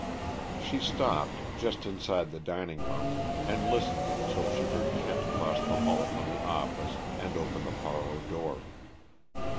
She stopped, just inside the dining room, and listened until she heard Kent cross the hall from the office and open the parlor door.